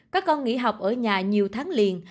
các con nghỉ học ở nhà nhiều tháng liền